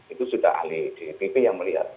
itu sudah ahli dpp yang melihat